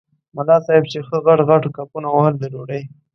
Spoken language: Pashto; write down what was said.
ملا صاحب چې ښه غټ غټ کپونه وهل د ډوډۍ.